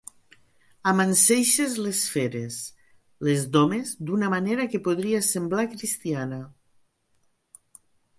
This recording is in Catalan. Amanseixes les feres, les domes d'una manera que podria semblar cristiana.